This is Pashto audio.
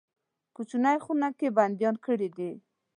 کوچنۍ خونه کې بندیان کړي دي.